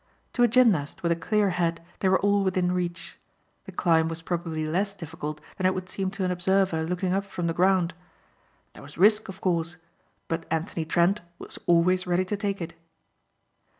To a gymnast with a clear head they were all within reach. The climb was probably less difficult than it would seem to an observer looking up from the ground. There was risk, of course, but Anthony Trent was always ready to take it.